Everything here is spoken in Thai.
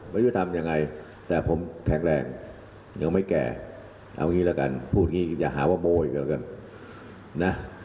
พูดอย่างนี้อย่าหาว่าโบ้ยกัน